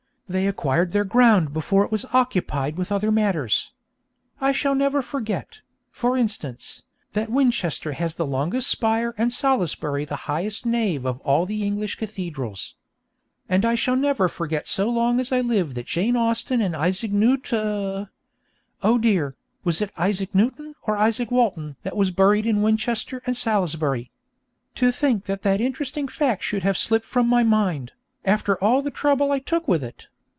They acquired their ground before it was occupied with other matters. I shall never forget, for instance, that Winchester has the longest spire and Salisbury the highest nave of all the English cathedrals. And I shall never forget so long as I live that Jane Austen and Isaac Newt Oh dear! was it Isaac Newton or Izaak Walton that was buried in Winchester and Salisbury? To think that that interesting fact should have slipped from my mind, after all the trouble I took with it!